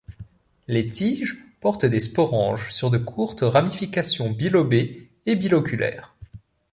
Les tiges portent des sporanges sur de courtes ramifications, bilobés et biloculaires.